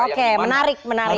oke menarik menarik